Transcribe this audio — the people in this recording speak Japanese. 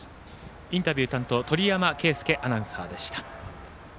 インタビュー担当鳥山圭輔アナウンサーでした。